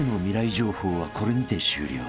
情報はこれにて終了］